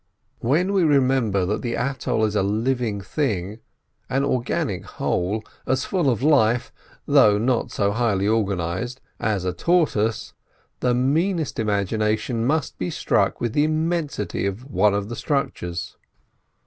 When we remember that the atoll is a living thing, an organic whole, as full of life, though not so highly organised, as a tortoise, the meanest imagination must be struck with the immensity of one of the structures.